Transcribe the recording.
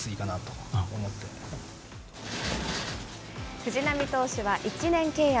藤浪投手は１年契約。